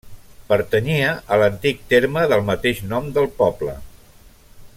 Pertanyia a l'antic terme del mateix nom del poble.